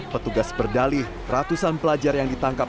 petugas berdalih ratusan pelajar yang ditangkap